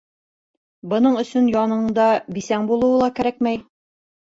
Бының өсөн яныңда бисәң булыуы ла кәрәкмәй.